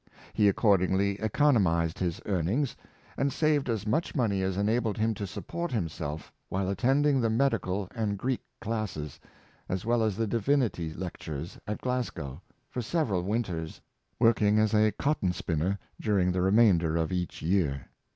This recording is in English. He accordingly economized his earnings, and saved as much money as enabled him to support himself while attending the Medical and Greek classes, as well as the Divinity Lectures, at Glasgow, for sev eral winters, working as a cotton spinner during the remainder of each year.